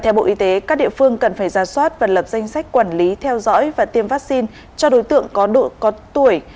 theo bộ y tế các địa phương cần phải ra soát và lập danh sách quản lý theo dõi và tiêm vaccine cho đối tượng có độ có tuổi